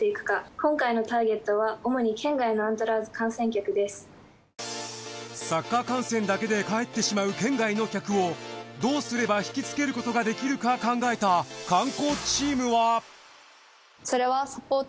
今回のサッカー観戦だけで帰ってしまう県外の客をどうすれば引きつけることができるか考えた観光チームは。